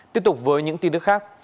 tiếp tục với những tin nước khác